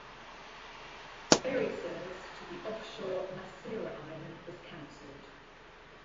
Ferry service to the offshore Masirah Island was canceled.